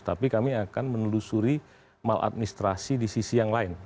tapi kami akan menelusuri maladministrasi di sisi yang lain